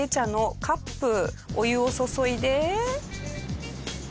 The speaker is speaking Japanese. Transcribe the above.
お湯を注いで。